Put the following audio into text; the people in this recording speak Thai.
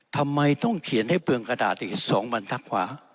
ทำไมต้องเขียนให้เปลืองกระดาษอีก๒บรรทักขวา